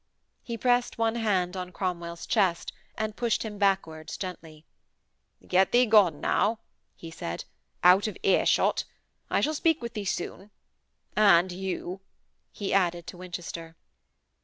He pressed one hand on Cromwell's chest and pushed him backwards gently. 'Get thee gone, now,' he said, 'out of earshot. I shall speak with thee soon. And you!' he added to Winchester.